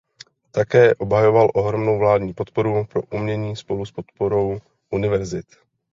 Také obhajoval ohromnou vládní podporu pro umění spolu s podporou univerzit.